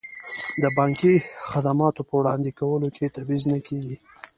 د بانکي خدماتو په وړاندې کولو کې تبعیض نه کیږي.